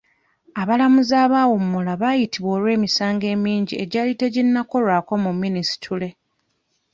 Abalamuzi abaawummula baayitibwa olw'emisango emingi egyali teginnakolwako mu minisitule.